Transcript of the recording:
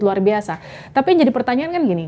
luar biasa tapi yang jadi pertanyaan kan gini